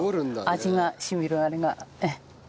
味が染みるあれがええ。